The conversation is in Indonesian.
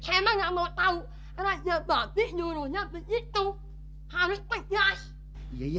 emang gak mau tahu raja babi nyuruhnya begitu harus tegas